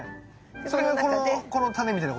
それがこのタネみたいな？